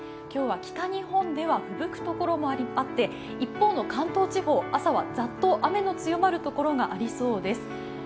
今日は北日本ではふぶくところもあって一方の関東地方、朝はざっと雨の強まる所がありそうです。